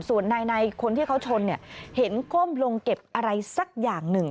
ส่วนในคนที่เขาชนเนี่ยเห็นก้มลงเก็บอะไรสักอย่างหนึ่ง